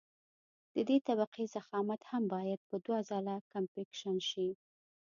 د دې طبقې ضخامت هم باید په دوه ځله کمپکشن شي